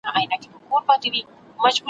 چی دا نن دي یم ژغورلی له انسانه ,